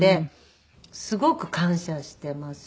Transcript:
すごく感謝しています。